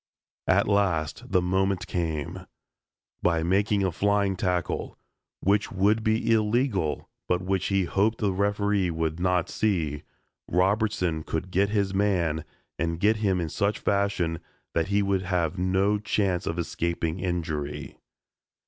At last the moment came. By making a flying tackle, which would be illegal but which he hoped the referee would not see, Robertson could get his man and get him in such fashion that he would have no chance of escaping injury.